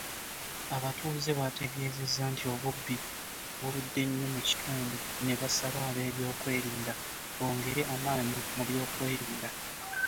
Abatuuze baategeezezza nti obubbi buludde nnyo mu kitundu ne basaba ab’ebyokwerinda bongere amaanyi mu by’okwerinda.